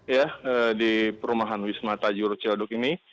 ya di perumahan wisma tajur ciaduk ini